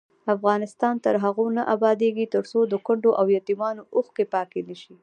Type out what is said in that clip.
افغانستان تر هغو نه ابادیږي، ترڅو د کونډو او یتیمانو اوښکې پاکې نشي.